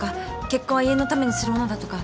結婚は家のためにするものだとか。